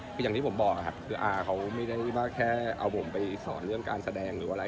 คืออย่างที่ผมบอกครับคืออาเขาไม่ได้ว่าแค่เอาผมไปสอนเรื่องการแสดงหรืออะไร